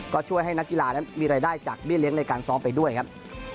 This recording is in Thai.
ก็ช่วยให้นักกีฬานั้นมีรายได้จากเบี้เลี้ยงในการซ้อมไปด้วยครับ